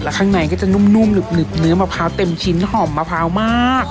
ข้างในก็จะนุ่มหนึบเนื้อมะพร้าวเต็มชิ้นหอมมะพร้าวมาก